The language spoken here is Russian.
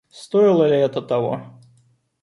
Стоило ли это того?